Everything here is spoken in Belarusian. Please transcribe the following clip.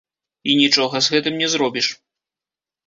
І нічога з гэтым не зробіш.